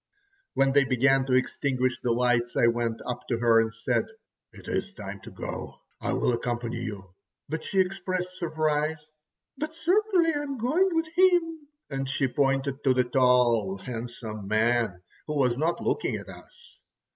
When they began to extinguish the lights, I went up to her and said: "It is time to go. I will accompany you." But she expressed surprise. "But certainly I am going with him," and she pointed to the tall, handsome man, who was not looking at us.